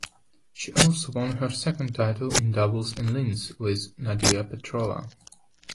She also won her second title in doubles in Linz, with Nadia Petrova.